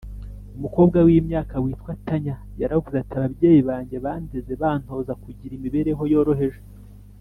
Umukobwa w imyaka witwa Tanya yaravuze ati ababyeyi banjye bandeze bantoza kugira imibereho yoroheje